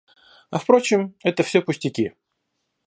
А впрочем, это все пустяки.